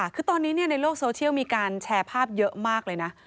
คือตอนนี้ในโลกโซเชียลมีการแชร์ภาพเยอะมากเลยนะ